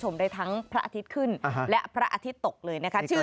ได้ทั้งพระอาทิตย์ขึ้นและพระอาทิตย์ตกเลยนะคะชื่อ